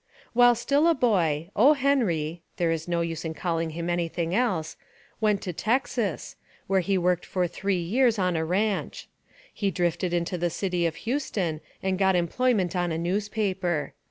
While still a boy, O. Henry (there is no use in calling him anything else) went to Texas, where he worked for three years on a ranch. He drifted into the city of Houston and got employment on a newspaper.